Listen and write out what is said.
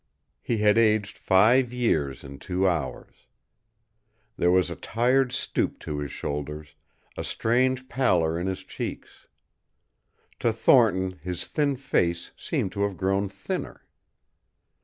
He had aged five years in two hours. There was a tired stoop to his shoulders, a strange pallor in his cheeks. To Thornton his thin face seemed to have grown thinner.